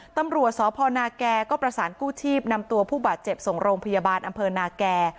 ตำรวจสพนาแก่ก็ประสานกู้ชีพนำตัวผู้บาดเจ็บส่งโรงพยาบาลอำเภอนาแก่